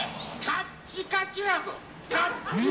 カッチカチやぞ！